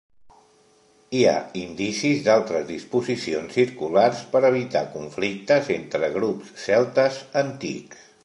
Hi ha indicis d'altres disposicions circulars per evitar conflictes entre grups celtes antics.